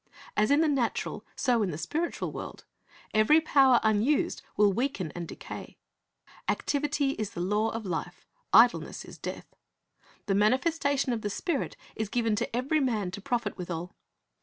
As in the natural, so in the spiritual world: every power unused will weaken and decay. Activity is the law of life; idleness is death. "The manifestation of the Spirit is given to every man to profit withal."